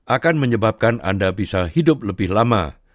akan menyebabkan anda bisa hidup lebih lama